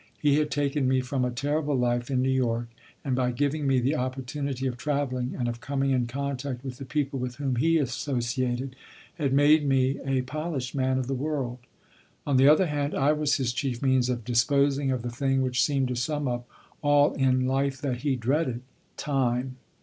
He had taken me from a terrible life in New York and, by giving me the opportunity of traveling and of coming in contact with the people with whom he associated, had made me a polished man of the world. On the other hand, I was his chief means of disposing of the thing which seemed to sum up all in life that he dreaded time.